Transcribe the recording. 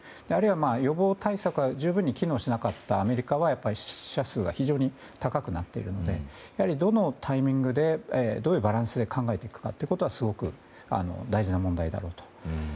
あるいは予防対策が十分に機能しなかったアメリカは死者数が非常に高くなっているのでどのタイミングでどういうバランスで考えていくかということがすごく大事な問題であると。